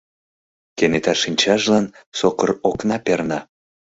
Кенета шинчажлан сокыр окна перна.